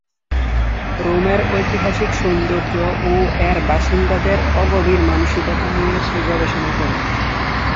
রোমের ঐতিহাসিক সৌন্দর্য ও এর বাসিন্দাদের অগভীর মানসিকতা নিয়ে সে গবেষণা করে।